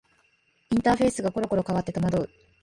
インターフェースがころころ変わって戸惑う